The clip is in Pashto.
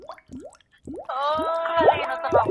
تاسي په موبایل کي د ژبو د زده کړې کوم ساعت ټاکلی دی؟